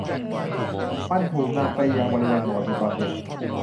มันถูกนำไปยังบริเวณโบสถ์ในตอนเย็น